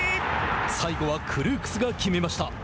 最後はクルークスが決めました。